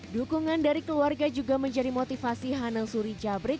dukungan dari keluarga juga menjadi motivasi hanang suri jabrik